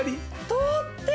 通ってる！